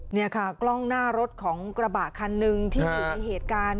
นี่ค่ะกล้องหน้ารถของกระบะคันหนึ่งที่อยู่ในเหตุการณ์